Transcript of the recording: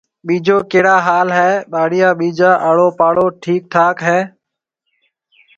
ٻِيجو ڪهڙا حال هيَ؟ ٻاݪيا ٻِيجا آڙو پاڙو ٺِيڪ ٺاڪ هيَ۔